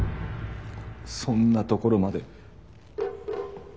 そんなところまで。